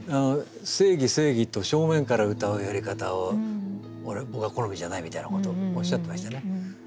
正義正義と正面からうたうやり方を僕は好みじゃないみたいなことをおっしゃってましたね。